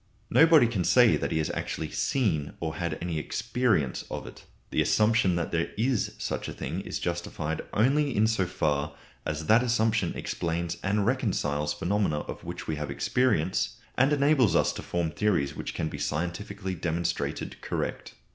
Nobody can say that he has actually seen or had any experience of it. The assumption that there is such a thing is justified only in so far as that assumption explains and reconciles phenomena of which we have experience, and enables us to form theories which can be scientifically demonstrated correct.